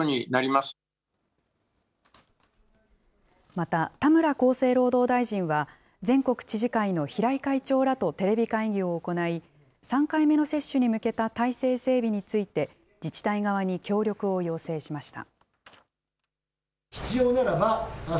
また、田村厚生労働大臣は、全国知事会の平井会長らとテレビ会議を行い、３回目の接種に向けた体制整備について、自治体側に協力を要請しました。